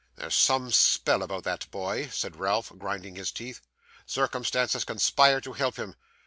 'There is some spell about that boy,' said Ralph, grinding his teeth. 'Circumstances conspire to help him.